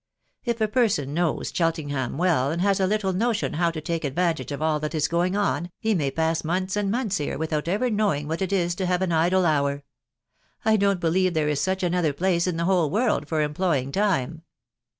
... If a person knows Chel tenham well, and has a little notion how to take advantage of all that is going on, he may pass months and months here' without ever knowing what it \a toYw»* ttoA&fcYkora •• ."V rrs— 1 5 — r THE WIDOW BARNABY* 255 don't believe there is such another place in the whole world for employing time."